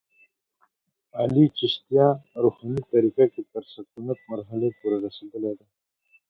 علي چشتیه روحاني طریقه کې تر سکونت مرحلې پورې رسېدلی دی.